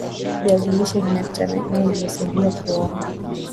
viazi lishe Vina vitamini A inayosaidia kuona